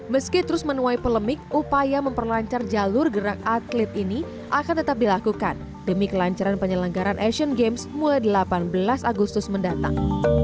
meski terus menuai polemik upaya memperlancar jalur gerak atlet ini akan tetap dilakukan demi kelancaran penyelenggaran asian games mulai delapan belas agustus mendatang